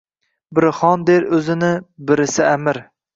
Biri xon der o‘zni, birisi amir.